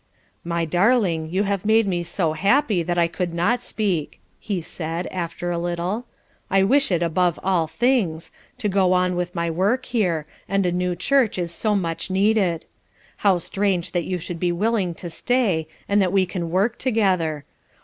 "My darling, you have made me so happy that I could not speak," he said, after a little. "I wish it above all things to go on with my work here, and a new church is so much needed. How strange that you should be willing to stay, and that we can work together!